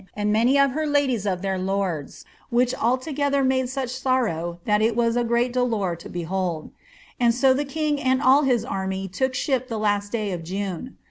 and many of her ladies of their lords, which alio •de sarh sorrow ihst ii was a great dolour to behoUI. And so ^ and all his anny look ship the last day of June.